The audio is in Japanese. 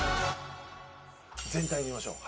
全体見ましょう。